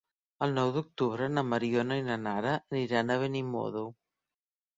El nou d'octubre na Mariona i na Nara aniran a Benimodo.